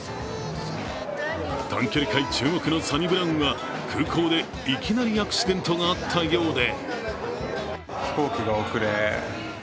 短距離界注目のサニブラウンは空港でいきなりアクシデントがあったようで。